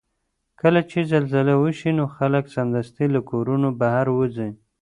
کله چې زلزله وشي نو خلک سمدستي له کورونو بهر وځي.